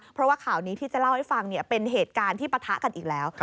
เพราะว่าข่าวนี้ที่จะเล่าให้ฟังเป็นเหตุการณ์ที่ปะทะกันอีกแล้ว